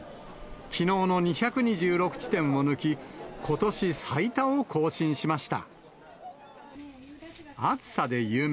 きのうの２２６地点を抜き、ことし最多を更新しました。